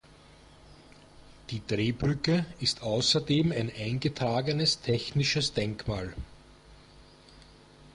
Die Drehbrücke ist außerdem ein eingetragenes technisches Denkmal.